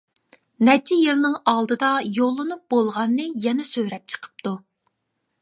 نەچچە يىلنىڭ ئالدىدا يوللىنىپ بولغاننى يەنە سۆرەپ چىقىپتۇ.